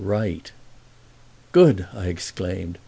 '" "Good!" I exclaimed.